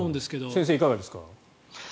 先生、いかがですか？